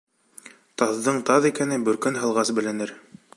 Таҙҙың таҙ икәне, бүркен һалғас беленер.